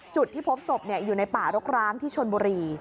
จุดที่พบศพอยู่ในป่ารกร้างที่ชนบุรี